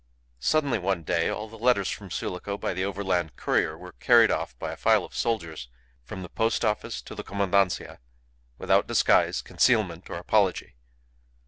Suddenly one day all the letters from Sulaco by the overland courier were carried off by a file of soldiers from the post office to the Commandancia, without disguise, concealment, or apology.